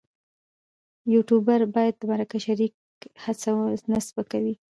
یوټوبر باید د مرکه شریک هڅوي نه سپکوي.